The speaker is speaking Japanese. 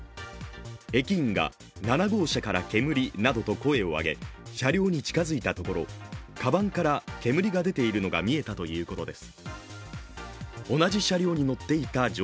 駅員が７号車から煙などと声を上げ車両に近づいたところ、かばんから煙が出ているのが見えたということです。